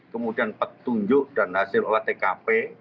kemudian petunjuk dan hasil olah tkp